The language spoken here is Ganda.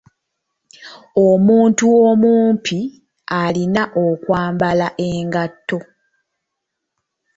Omuntu omupi alina okwambala engatto.